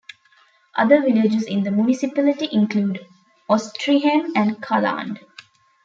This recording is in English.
Other villages in the municipality include Austrheim and Kaland.